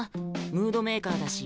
ムードメーカーだし